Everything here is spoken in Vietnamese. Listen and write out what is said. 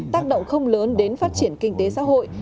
tác động không lớn đến phát triển kinh tế xã hội